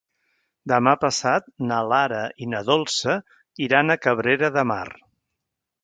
Demà passat na Lara i na Dolça iran a Cabrera de Mar.